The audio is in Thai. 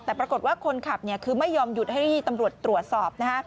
แต่ปรากฏว่าคนขับคือไม่ยอมหยุดให้ตำรวจตรวจสอบนะฮะ